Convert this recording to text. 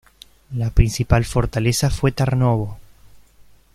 La principal fortaleza fue Tarnovo.